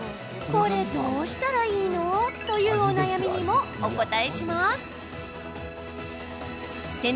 これ、どうしたらいいの？というお悩みにもお答えします。